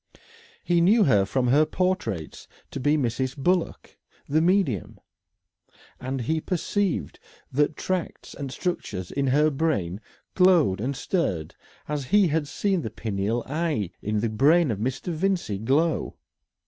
He knew her from her portraits to be Mrs. Bullock, the medium. And he perceived that tracts and structures in her brain glowed and stirred as he had seen the pineal eye in the brain of Mr. Vincey glow.